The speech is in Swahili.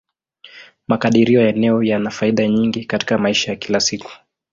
Makadirio ya eneo yana faida nyingi katika maisha ya kila siku.